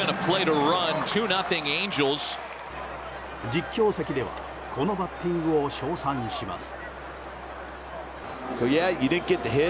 実況席ではこのバッティングを賞賛します。